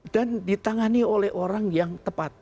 dan ditangani oleh orang yang tepat